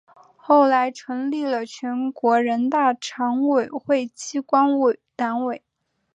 后来成立了全国人大常委会机关党委。